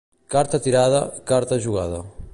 Carta tirada, carta jugada.